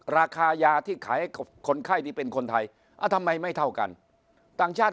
ราคายาที่ขายให้กับคนไข้ที่เป็นคนไทยทำไมไม่เท่ากันต่างชาติ